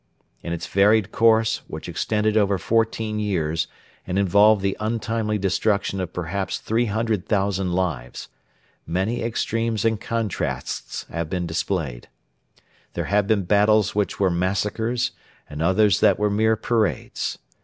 In its varied course, which extended over fourteen years and involved the untimely destruction of perhaps 300,000 lives, many extremes and contrasts have been displayed. There have been battles which were massacres, and others that were mere parades.